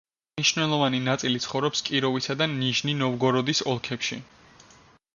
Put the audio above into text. მნიშვნელოვანი ნაწილი ცხოვრობს კიროვისა და ნიჟნი-ნოვგოროდის ოლქებში.